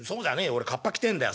俺カッパ着てんだよ。